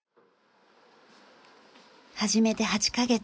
始めて８カ月。